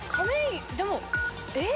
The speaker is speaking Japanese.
でもえっ？